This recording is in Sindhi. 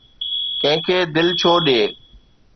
ڪنهن کي دل ڇو ڏئي؟